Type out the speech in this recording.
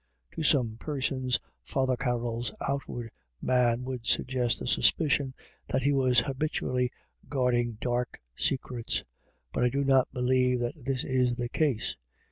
To some persons Father Car roll's outward man would suggest a suspicion that he was habitually guarding dark secrets ; but I do not believe that this is the case.